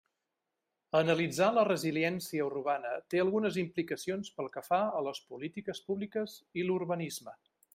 Analitzar la resiliència urbana té algunes implicacions pel que fa a les polítiques públiques i l'urbanisme.